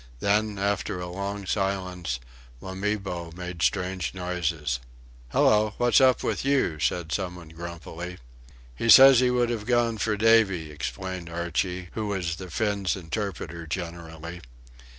Then, after a long silence, Wamibo made strange noises. "Hallo, what's up with you?" said some one grumpily. "He says he would have gone for Davy," explained Archie, who was the Finn's interpreter generally.